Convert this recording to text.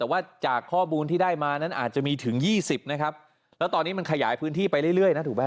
แต่ว่าจากข้อมูลที่ได้มานั้นอาจจะมีถึงยี่สิบนะครับแล้วตอนนี้มันขยายพื้นที่ไปเรื่อยนะถูกไหม